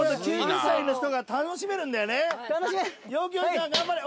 陽気おじさん頑張れ。